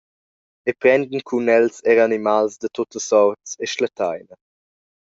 Ei prendan cun els era animals da tuttas sorts e schlatteina.